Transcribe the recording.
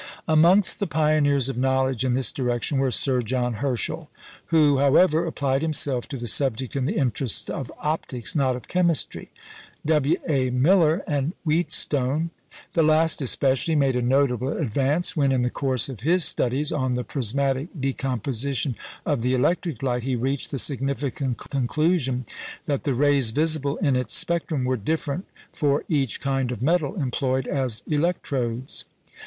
Amongst the pioneers of knowledge in this direction were Sir John Herschel who, however, applied himself to the subject in the interests of optics, not of chemistry W. A. Miller, and Wheatstone. The last especially made a notable advance when, in the course of his studies on the "prismatic decomposition" of the electric light, he reached the significant conclusion that the rays visible in its spectrum were different for each kind of metal employed as "electrodes."